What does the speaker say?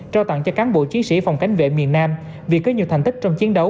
trao tặng cho cán bộ chiến sĩ phòng cảnh vệ miền nam vì có nhiều thành tích trong chiến đấu